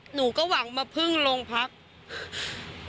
หนูก็หวังมาพึ่งโรงพัก